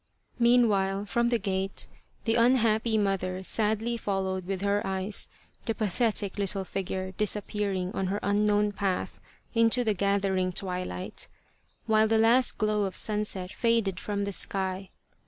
Meanwhile, from the gate, the unhappy mother sadly followed with her eyes the pathetic little figure dis appearing on her unknown path into the gathering twilight, while the last glow of sunset faded from the sky.